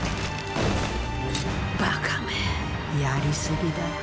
バカめやりすぎだ。